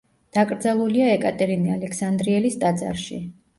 დაკრძალულია ეკატერინე ალექსანდრიელის ტაძარში.